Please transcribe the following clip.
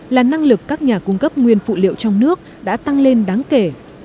là năng lực các nhà cung cấp nguyên phụ liệu trong nước đã tăng lên đáng kể